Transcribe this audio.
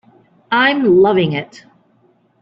I'm loving it.